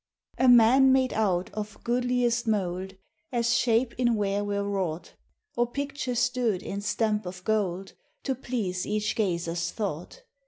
] "A man made out of goodliest mould As shape in ware were wrought, Or Picture stoode in stampe of gold To please each gazer's thought....